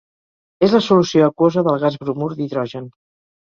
És la solució aquosa del gas bromur d'hidrogen.